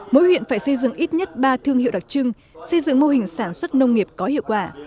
mỗi huyện phải xây dựng ít nhất ba thương hiệu đặc trưng xây dựng mô hình sản xuất nông nghiệp có hiệu quả